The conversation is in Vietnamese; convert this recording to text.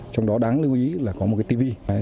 trong đó đáng lưu ý là có một cái tv